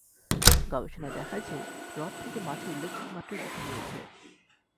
গবেষণা দেখায় যে, হ্রদ থেকে মাছে উল্লেখযোগ্য মাত্রায় দূষণ রয়েছে।